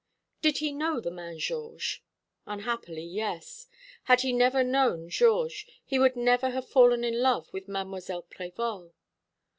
"Did he know the man Georges?" "Unhappily, yes. Had he never known Georges he would never have fallen in love with Mdlle. Prévol.